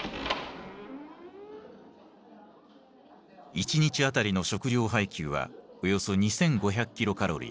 １日当たりの食糧配給はおよそ２，５００キロカロリー。